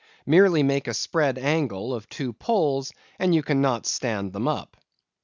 Merely make a spread angle of two poles, and you cannot stand them up.